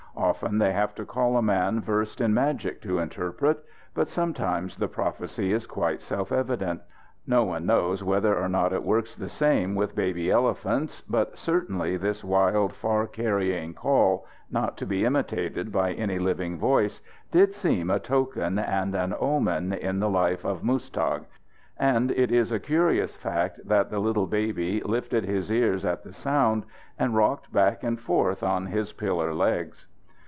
Often they have to call a man versed in magic to interpret, but sometimes the prophecy is quite self evident. No one knows whether or not it works the same with baby elephants, but certainly this wild, far carrying call, not to be imitated by any living voice, did seem a token and an omen in the life of Muztagh. And it is a curious fact that the little baby lifted his ears at the sound and rocked back and forth on his pillar legs.